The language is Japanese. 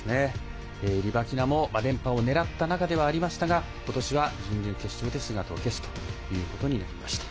リバキナも連覇を狙った中でもありましたが今年は準々決勝で姿を消すということになりました。